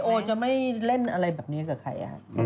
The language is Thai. โอจะไม่เล่นอะไรแบบนี้กับใคร